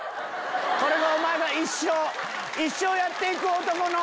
これがおまえが一生やっていく男の。